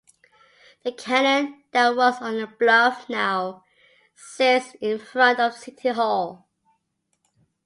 The cannon that was on the bluff now sits in front of City Hall.